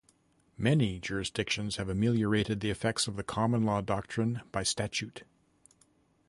Many jurisdictions have ameliorated the effects of the common law doctrine by statute.